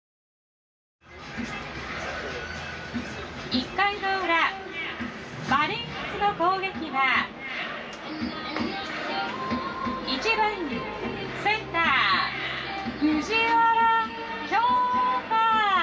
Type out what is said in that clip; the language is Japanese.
１回の裏マリーンズの攻撃は１番センター藤原恭大